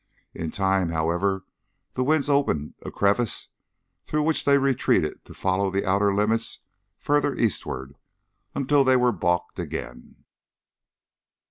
In time, however, the winds opened a crevice through which they retreated to follow the outer limits farther eastward, until they were balked again.